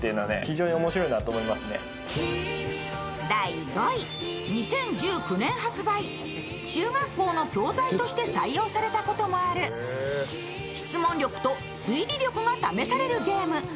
第５位は、２０１９年発売、中学校の教材として採用されたこともある、質問力と推理力が試されるゲーム。